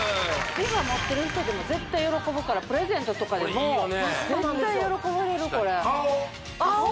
ＲｅＦａ持ってる人でも絶対喜ぶからプレゼントとかでも絶対喜ばれるこれ買おう！